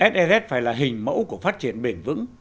ss phải là hình mẫu của phát triển bền vững